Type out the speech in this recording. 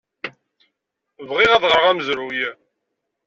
Bɣiɣ ad ɣreɣ amezruy.